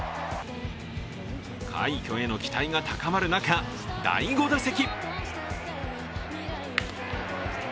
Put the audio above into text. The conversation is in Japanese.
快挙への期待が高まる中、第５打席。